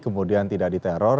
kemudian tidak diteror